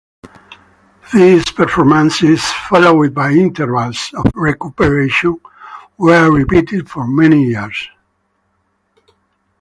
These performances, followed by intervals of recuperation, were repeated for many years.